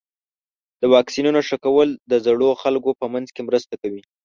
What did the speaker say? د واکسینونو ښه کول د زړو خلکو په منځ کې مرسته کوي.